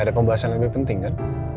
ada pembahasan yang lebih penting kan